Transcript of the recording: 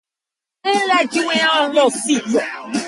An atrium frames the south side of the church.